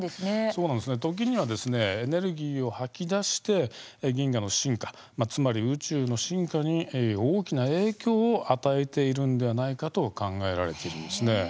そうなんですね、時にはエネルギーを吐き出して銀河の進化、つまり宇宙の進化に大きな影響を与えているんではないかと考えられているんです。